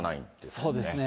そうですね。